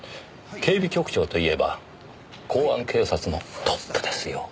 警備局長といえば公安警察のトップですよ。